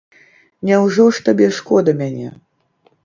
Няўжо ж табе шкода мяне?